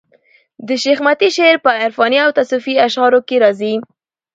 د شېخ متي شعر په عرفاني او تصوفي اشعارو کښي راځي.